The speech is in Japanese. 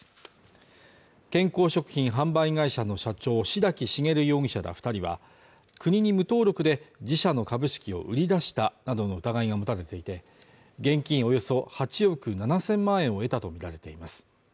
健康食品販売会社の社長白木茂容疑者ら２人は国に無登録で、自社の株式を売り出したなどの疑いが持たれていて、現金およそ８億７０００万円を得たとみられています。